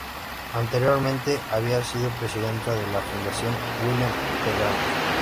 Anteriormente, había sido presidenta de la Fundación William T. Grant.